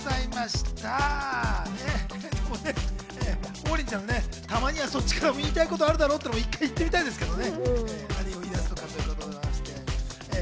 王林ちゃんも、たまにはそっちからも言いたいだろっていうことを言ってみたいですけどね。